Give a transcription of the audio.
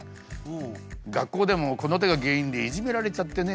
学校でもこの手が原因でいじめられちゃってね。